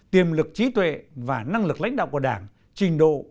tiềm lực trí tuệ và năng lực lãnh đạo của đảng trình độ